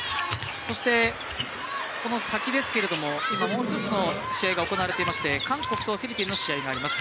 そして、この先ですけれども今、もう一つの試合が行われていまして韓国とフィリピンの試合があります。